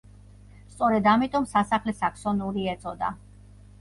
სწორედ ამიტომ სასახლეს საქსონური ეწოდა.